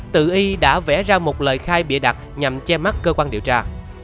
tự y đã vẽ ra một lời khai bịa đặt nhằm che mắt cơ quan điều tra